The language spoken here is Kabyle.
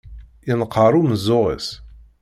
Yenqer umeẓẓuɣ-is.